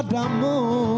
aku cinta padamu